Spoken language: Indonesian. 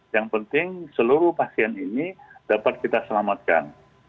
yang penting seluruh pasien ini dapat kita selamatkan